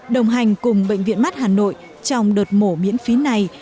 đồng hành cùng bệnh viện mắt hà nội trong đợt mổ miễn phí này